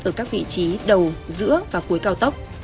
ở các vị trí đầu giữa và cuối cao tốc